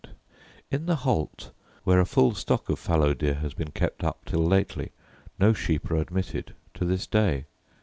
In the Holt, where a full stock of fallow deer has been kept up till lately, no sheep are admitted to this day.